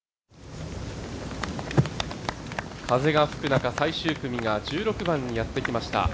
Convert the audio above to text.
風が吹く中、最終組が１６番にやってきました。